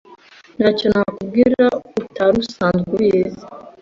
Ntacyo nakubwira utari usanzwe ubizi.